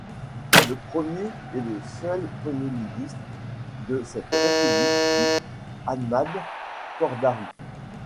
Le premier et seul Premier ministre de cette république fut Ahmad Kordari.